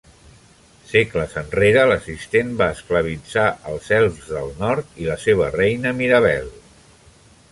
Segles enrere, l'assistent va esclavitzar els elfs del nord i la seva reina, Mirabelle.